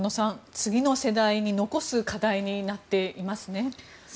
次の世代に残す課題になっていますね。